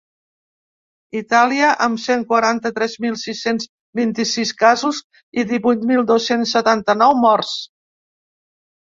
Itàlia, amb cent quaranta-tres mil sis-cents vint-i-sis casos i divuit mil dos-cents setanta-nou morts.